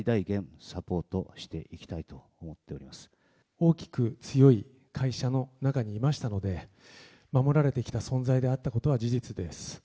大きく強い会社の中にいましたので守られてきた存在であったことは事実です。